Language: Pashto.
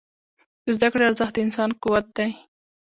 د زده کړې ارزښت د انسان قوت دی.